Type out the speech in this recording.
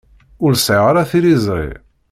Ur sɛiɣ ara tiliẓri.